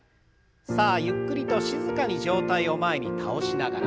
さあゆっくりと静かに上体を前に倒しながら。